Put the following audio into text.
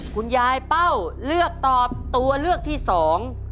คุณยายเป้าเลือกตอบตัวเลือกที่สอง